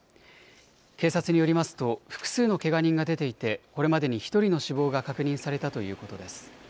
警察によりますと複数のけが人が出ていて、これまでに１人の死亡が確認されたということです。